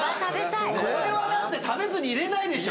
これは食べずにいれないでしょ！